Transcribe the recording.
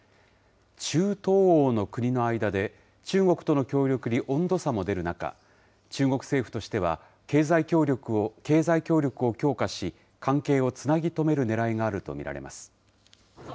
中東欧の国の間で、中国との協力に温度差も出る中、中国政府としては、経済協力を強化し、関係をつなぎ止めるねらいがあると見られます。